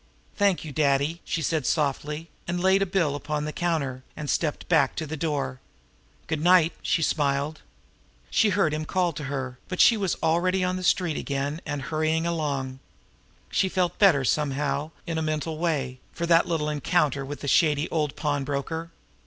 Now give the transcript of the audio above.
"Thank you, Daddy!" she said softly and laid a bill upon the counter, and stepped back to the door. "Good night!" she smiled. She heard him call to her; but she was already on the street again, and hurrying along. She felt better, somehow, in a mental way, for that little encounter with the shady old pawnbroker.